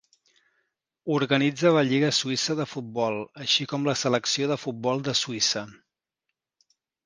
Organitza la lliga suïssa de futbol, així com la selecció de futbol de Suïssa.